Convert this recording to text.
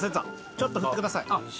ちょっと振ってください。